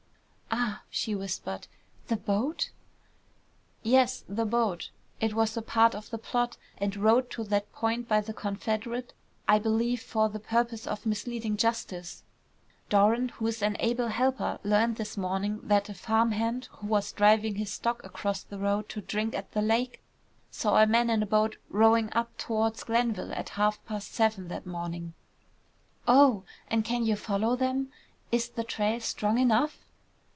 "Ah!" she whispered. "The boat?" "Yes, the boat. It was a part of the plot, and rowed to that point by the confederate, I believe, for the purpose of misleading justice. Doran, who is an able helper, learned this morning that a farm hand, who was driving his stock across the road to drink at the lake, saw a man in a boat rowing up towards Glenville at half past seven that morning." "Oh! And can you follow them? Is the trail strong enough?"